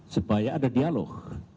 supaya ada dialog